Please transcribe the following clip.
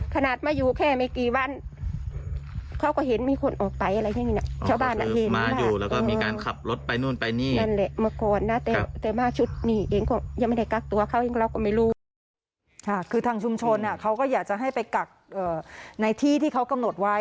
คือทางชุมชนเขาก็อยากจะให้ไปกักในที่ที่เขากำหนดไว้